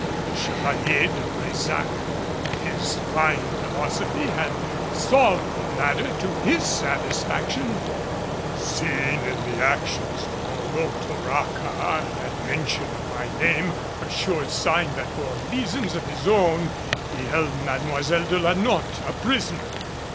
The Chevalier de Brésac with his fine philosophy had solved the matter to his satisfaction, seeing in the actions of Olotoraca at mention of my name a sure sign that for reasons of his own, he held Mademoiselle de la Notte a prisoner.